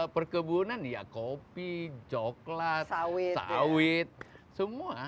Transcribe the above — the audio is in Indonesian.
perkebunan ya kopi coklat sawit semua